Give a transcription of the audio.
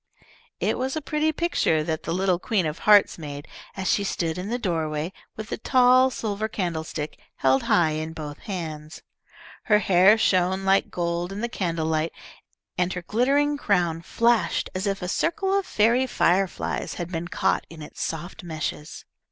It was a pretty picture that the little "Queen of Hearts" made, as she stood in the doorway, with the tall silver candlestick held high in both hands. Her hair shone like gold in the candlelight, and her glittering crown flashed as if a circle of fairy fireflies had been caught in its soft meshes.